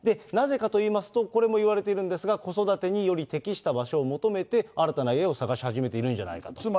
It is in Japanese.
なぜかといいますと、これもいわれているんですが、子育てにより適した場所を求めて、新たな家を探し始めているんじゃないかと。